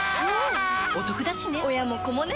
おトクだしね